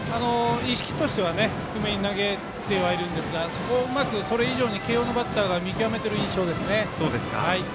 意識としては低めに投げてはいるんですがそこをうまくそれ以上に慶応のバッターが見極めてる印象ですね。